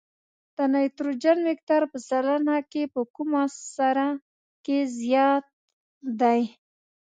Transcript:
د نایتروجن مقدار په سلنه کې په کومه سره کې زیات دی؟